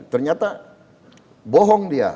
ternyata bohong dia